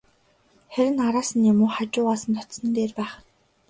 Харин араас нь юм уу, хажуугаас нь очсон нь дээр байх.